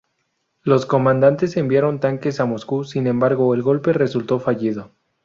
Los comandantes enviaron tanques a Moscú, sin embargo el golpe resultó fallido.